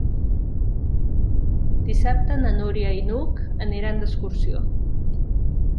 Dissabte na Núria i n'Hug aniran d'excursió.